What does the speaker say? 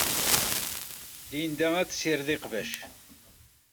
Linda ad tessired iqbac.